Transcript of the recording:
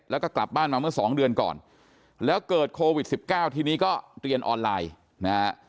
แล้วก็กลับบ้านมาเมื่อสองเดือนก่อนแล้วเกิดโควิด๑๙ทีนี้ก็เรียนออนไลน์นะฮะ